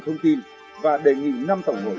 thông tin và đề nghị năm tổng hội